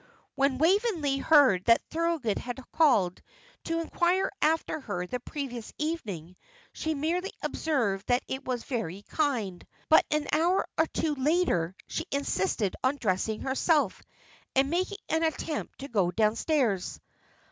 When Waveney heard that Thorold had called to inquire after her the previous evening, she merely observed that it was very kind. But an hour or two later she insisted on dressing herself, and making an attempt to go downstairs.